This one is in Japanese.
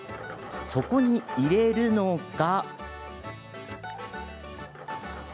そこに入れるのが。